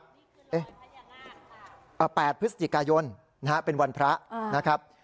นี่คือรอยพญานาคอ่ะแปดพฤศจิกายนนะครับเป็นวันพระนะครับ